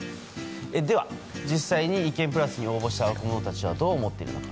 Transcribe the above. では、実際に、いけんぷらすに応募した若者たちはどう思っているのか。